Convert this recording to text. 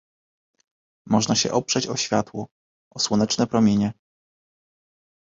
Można się oprzeć o światło, o słoneczne promienie.